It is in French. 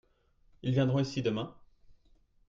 Ils viendront ici demain ?